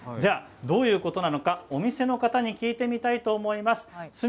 どういうことなのかお店の方に聞いてみたいと思います。